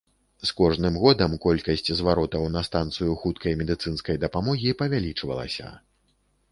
З кожным годам колькасць зваротаў на станцыю хуткай медыцынскай дапамогі павялічвалася.